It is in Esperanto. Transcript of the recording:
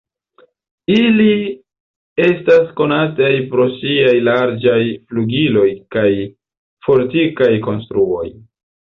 Ili estas konataj pro siaj larĝaj flugiloj kaj fortikaj konstruoj.